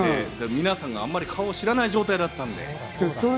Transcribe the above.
皆さんが顔をあまり知らない状態だったので。